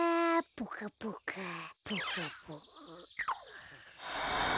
ポカポカポカポカ。